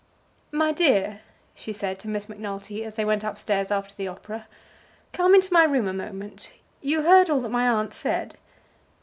"My dear," she said to Miss Macnulty, as they went up stairs after the opera, "come into my room a moment. You heard all that my aunt said?"